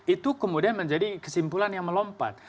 itu kemudian menjadi kesimpulan yang melompat